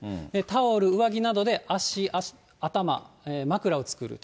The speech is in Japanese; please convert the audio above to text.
タオル、上着などで足、頭、枕を作る。